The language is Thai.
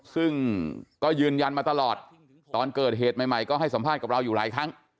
ซึ่งก็ยืนยันมาตลอดตอนเกิดเหตุใหม่ก็ให้สัมภาษณ์กับเราอยู่หลายครั้ง